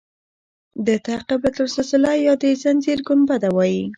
دې ته قبة السلسله یا د زنځیر ګنبده وایي.